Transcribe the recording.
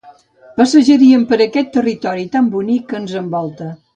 passejaríem per aquest territori tan bonic que ens envolta